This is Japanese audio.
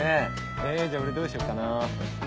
えじゃあ俺どうしよっかな。